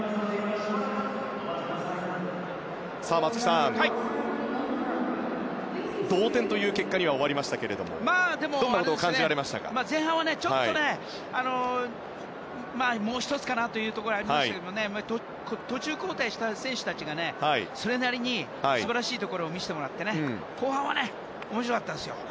松木さん、同点という結果に終わりましたけどもでも、前半はもう一つかなというのがありましたけど途中交代した選手たちがそれなりに素晴らしいところを見せてもらって後半は面白かったですよ。